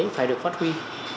phải được phát huy